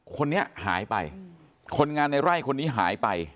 คนนี้หายไปคนงานในไร่คนนี้หายไป